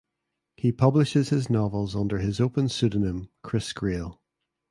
He publishes his novels under his open pseudonym Chris Grail.